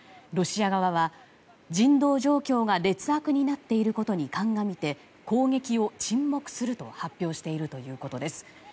ロシア側は人道状況が劣悪になっていることに鑑みて攻撃を沈黙すると発表しているということです。